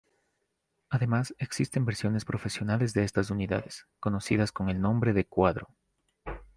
Además existen versiones profesionales de estas unidades, conocidas con el nombre de Quadro.